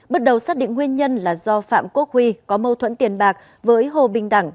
bước đầu xác định nguyên nhân là do phạm quốc huy có mâu thuẫn tiền bạc với hồ bình đẳng